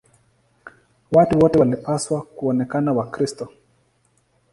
Watu wote walipaswa kuonekana Wakristo.